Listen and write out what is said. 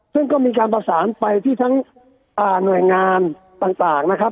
ซึ่งก็มีการประสานไปที่ทั้งหน่วยงานต่างนะครับ